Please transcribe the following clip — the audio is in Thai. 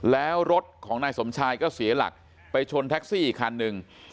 แล้วรถของนายสมชายก็เสียหลักไปชนแท็กซี่อีกคันหนึ่ง